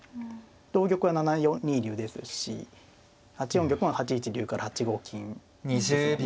同玉は７二竜ですし８四玉は８一竜から８五金ですもんね。